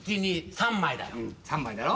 ３枚だろ？